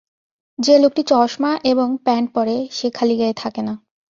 যে-লোকটি চশমা এবং প্যান্ট পরে, সে খালিগায়ে থাকে না।